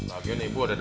lagi nih bu ada daanye